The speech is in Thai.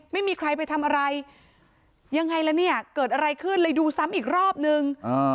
ไม่มีใครไปทำอะไรยังไงละเนี่ยเกิดอะไรขึ้นเลยดูซ้ำอีกรอบนึง